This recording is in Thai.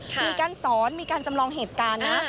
มีการสอนมีการจำลองเหตุการณ์นะ